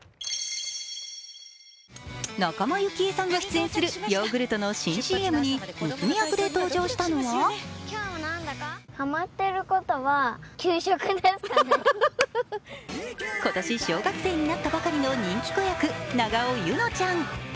仲間由紀恵さんが出演するヨーグルトの新ＣＭに娘役で登場したのは今年、小学生になったばかりの人気子役・永尾柚乃ちゃん。